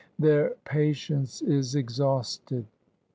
Their patience is exhausted.'